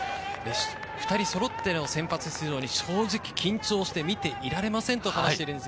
２人そろっての先発出場に正直、緊張して見ていられませんと話しています。